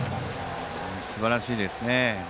すばらしいですね。